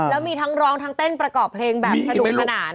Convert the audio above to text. แล้วมีทั้งร้องทั้งเต้นประกอบเพลงแบบสนุกสนาน